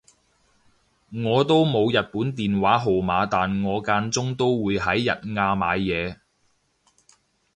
我都冇日本電話號碼但我間中都會喺日亞買嘢